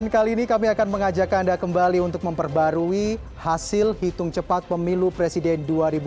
dan kali ini kami akan mengajak anda kembali untuk memperbarui hasil hitung cepat pemilu presiden dua ribu sembilan belas